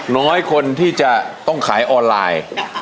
น้อยคนที่จะต้องขายออนไลน์